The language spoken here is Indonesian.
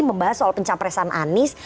membahas soal pencapresan anis